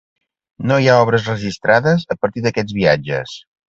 No hi ha obres registrades a partir d'aquests viatges.